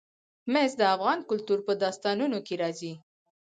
مس د افغان کلتور په داستانونو کې راځي.